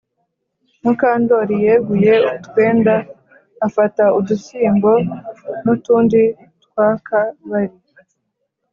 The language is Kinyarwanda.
Mukandori yeguye utwenda afata udushyimbo nutundi twaka bari